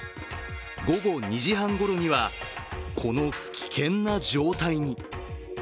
午後２時半ごろには、この危険な状態に。